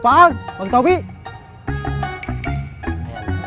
jangan katro mak